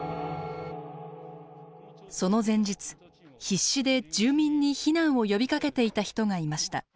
その前日必死で住民に避難を呼びかけていた人がいました。